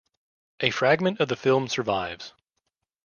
A fragment of the film survives.